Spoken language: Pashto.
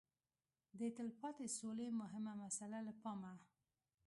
د تلپاتې سولې مهمه مساله له پامه